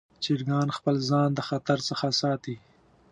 چرګان خپل ځان د خطر څخه ساتي.